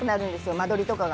間取りとかが。